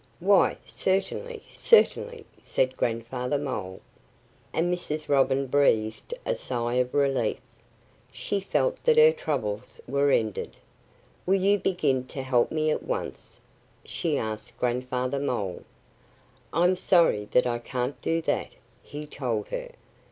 "Why, certainly! Certainly!" said Grandfather Mole. And Mrs. Robin breathed a sigh of relief. She felt that her troubles were ended. "Will you begin to help me at once?" she asked Grandfather Mole. "I'm sorry that I can't do that," he told her.